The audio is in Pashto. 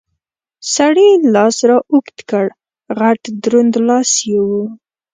سړي لاس را اوږد کړ، غټ دروند لاس یې و.